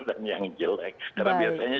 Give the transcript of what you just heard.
dan yang jelek karena biasanya